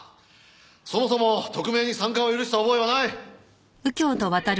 そもそも特命に参加を許した覚えはない。